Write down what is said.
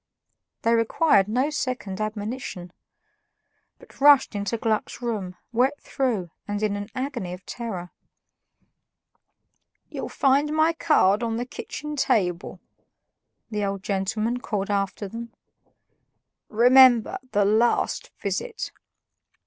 They required no second admonition, but rushed into Gluck's room, wet through and in an agony of terror. "You'll find my card on the kitchen table," the old gentleman called after them. "Remember, the LAST visit."